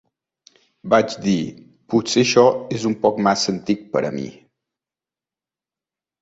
"Vaig dir: 'Potser això és un poc massa antic pera mi.